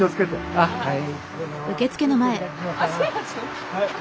あっはい。